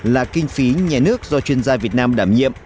là kinh phí nhà nước do chuyên gia việt nam đảm nhiệm